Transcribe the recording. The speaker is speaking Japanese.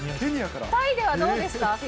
タイではどうですか？